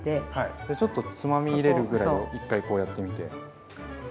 じゃちょっとつまみ入れるぐらいを一回こうやってみて。